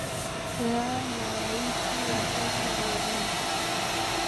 ra na rais wa sasa laurent